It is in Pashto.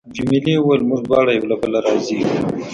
جميلې وويل: موږ دواړه یو له بله راضي یو.